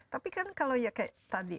tapi kan kalau ya kayak tadi